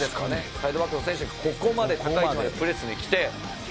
サイドバックの選手がここまで高い位置までプレスに来て。